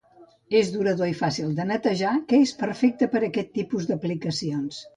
És durador i fàcil de netejar, que és perfecte per a aquest tipus d'aplicacions.